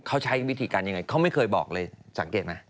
เขาใช้วิธีการยังไงเขาไม่เคยบอกเลยสังเกตไหม